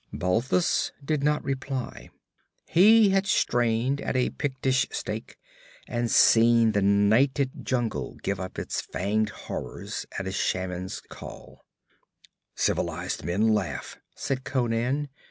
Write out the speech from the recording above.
Balthus did not reply; he had strained at a Pictish stake and seen the nighted jungle give up its fanged horrors at a shaman's call. 'Civilized men laugh,' said Conan.